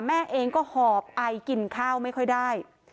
แม่เองก็หอบไอกินข้าวไม่ค่อยได้